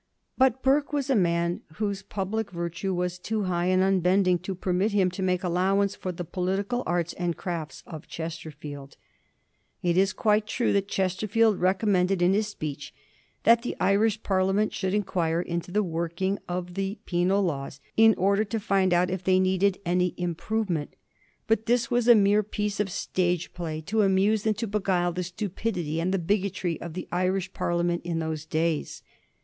But Burke was a man whose public virtue was too high and unbending to permit him to make allowance for the political arts and crafts of a Chesterfield. It is quite true that Chesterfield recommended in his speech that the Irish Parliament should inquire into the workLnor of the Penal Laws in order to find out if they needed any improve 252 A HISTOBT OF THE FOUR GEORGES. ch.zzxtii. ment. Bat this was a mere piece of stage play to amuse and to beguile the stupidity and the bigotry of the Irish Parliament of those days.